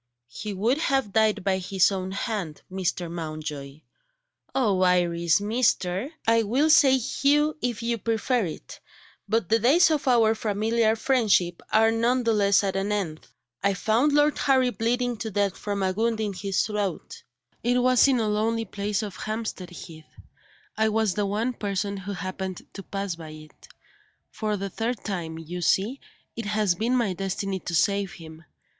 "He would have died by his own hand, Mr. Mountjoy " "Oh, Iris 'Mr.!'" "I will say 'Hugh,' if you prefer it but the days of our familiar friendship are none the less at an end. I found Lord Harry bleeding to death from a wound in his throat. It was in a lonely place on Hampstead Heath; I was the one person who happened to pass by it. For the third time, you see, it has been my destiny to save him.